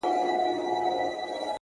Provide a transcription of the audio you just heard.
هم دي د سرو سونډو په سر كي جـادو”